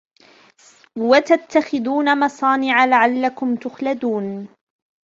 وتتخذون مصانع لعلكم تخلدون